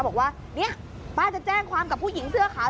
บอกว่าเนี่ยป้าจะแจ้งความกับผู้หญิงเสื้อขาว